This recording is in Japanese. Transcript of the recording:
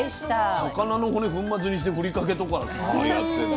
魚の骨粉末にしてふりかけとかさやってんの。